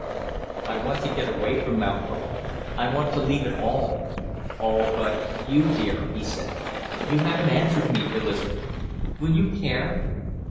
"I want to get away from Mount Hope. I want to leave it all, all but you, dear!" he said. "You haven't answered me, Elizabeth; will you care?"